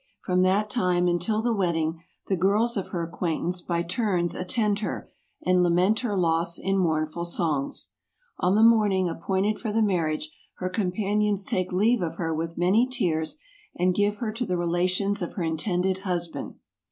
From that time until the wedding, the girls of her acquaintance by turns attend her, and lament her loss in mournful songs. On the morning appointed for the marriage, her companions take leave of her with many tears, and give her to the relations of her intended hus¬ band.